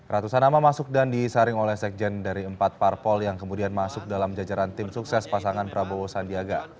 ratusan nama masuk dan disaring oleh sekjen dari empat parpol yang kemudian masuk dalam jajaran tim sukses pasangan prabowo sandiaga